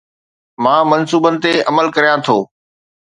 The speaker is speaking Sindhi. مان منصوبن تي عمل ڪريان ٿو